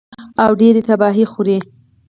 او ډېرې تباهۍ خوروي